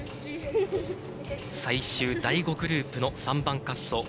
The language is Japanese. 最終第５グループの３番滑走。